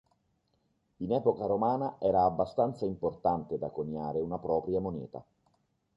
In epoca romana era abbastanza importante da coniare una propria moneta.